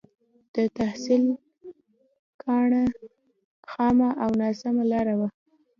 د تحصيل کاڼه خامه او ناسمه لاره وه.